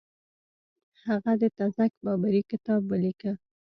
هغه د تزک بابري کتاب ولیکه.